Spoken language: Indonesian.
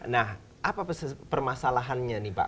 nah apa permasalahannya nih pak